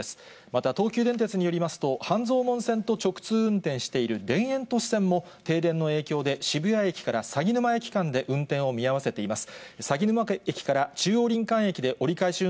また、東急電鉄によりますと、半蔵門線と直通運転している田園都市線も、停電の影響で渋谷駅から鷺沼駅間で運転を見合わせています。